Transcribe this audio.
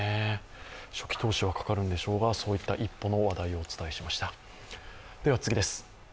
初期投資はかかるんでしょうが、そういった一歩の話題をお伝えしました。